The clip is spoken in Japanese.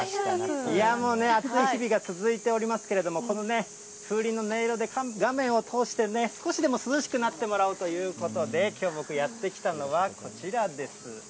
もう、暑い日々が続いておりますけれども、この風鈴の音色で画面を通してね、少しでも涼しくなってもらおうということで、きょう、僕やって来たのは、こちらです。